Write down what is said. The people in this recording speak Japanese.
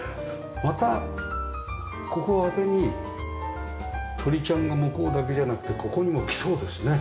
またここをあてに鳥ちゃんが向こうだけじゃなくてここにも来そうですね。